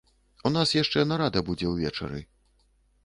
У нас яшчэ нарада будзе ўвечары.